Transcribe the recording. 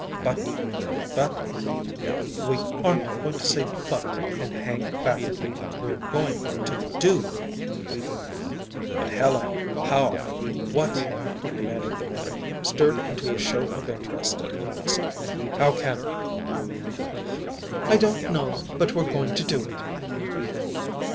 "But but " "We aren't going to say 'but' and hang back. We're going to do!" "But, Helen, how? What?" demanded the man, stirred into a show of interest at last. "How can we?" "I don't know, but we're going to do it."